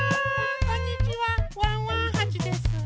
こんにちはワンワンはちです。